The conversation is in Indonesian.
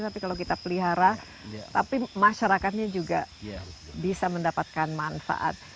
tapi kalau kita pelihara tapi masyarakatnya juga bisa mendapatkan manfaat